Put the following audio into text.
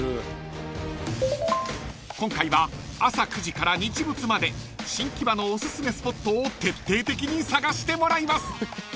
［今回は朝９時から日没まで新木場のおすすめスポットを徹底的に探してもらいます］